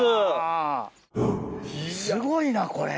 すごいなこれ。